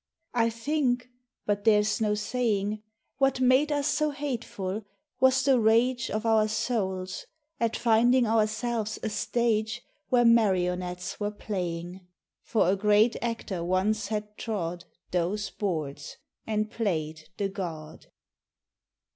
I think — but there's no saying — What made us so hateful was the rage Of our souls at finding ourselves a stage Where marionettes were playing : For a great actor once had trod Those boards and played the god.